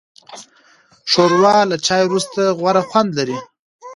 ښوروا له چای وروسته غوره خوند لري.